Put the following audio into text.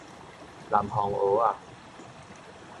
南方澳仔